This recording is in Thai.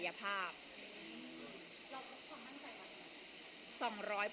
เราก็ความมั่นใจว่าอย่างไรครับ